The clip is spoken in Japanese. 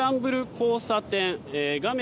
交差点画面